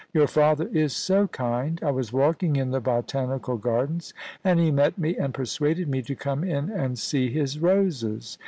* Your father is so kind ; I was walking in the Botanical Gardens, and he met me and persuaded me to come in and see his roses.